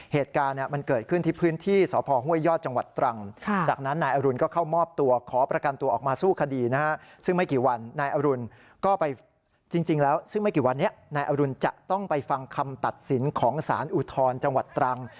เหตุการณ์มันเกิดขึ้นที่พื้นที่ทศพห้วยยอดจังหวัดตรัง